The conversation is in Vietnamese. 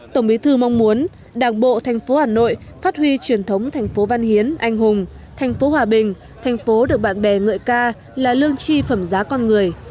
tổng bí thư mong muốn đảng bộ thành phố hà nội phát huy truyền thống thành phố văn hiến anh hùng thành phố hòa bình thành phố được bạn bè ngợi ca là lương chi phẩm giá con người